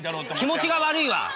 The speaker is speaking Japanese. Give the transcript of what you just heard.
気持ちが悪いわ！